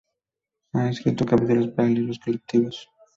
Ha escrito capítulos para libros colectivos.